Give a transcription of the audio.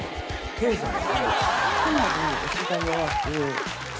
ケイさん。